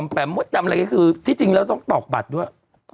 ป๊อมแปมไม่จำอะไรคือที่จริงแล้วต้องตอกบัตรด้วย